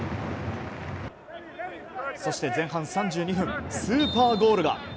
そして前半３２分スーパーゴールが。